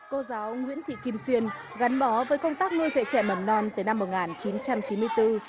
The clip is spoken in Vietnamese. cô giáo nguyễn thị kim xuyên gắn bó với công tác nuôi dạy trẻ mầm non từ năm một nghìn chín trăm chín mươi bốn